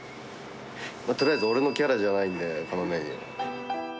とりあえず俺のキャラじゃないんで、このメニュー。